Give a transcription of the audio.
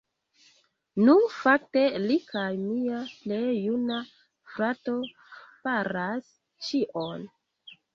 Nu, fakte li kaj mia plej juna frato faras ĉion